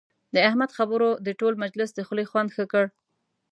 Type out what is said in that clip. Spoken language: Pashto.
د احمد خبرو د ټول مجلس د خولې خوند ښه کړ.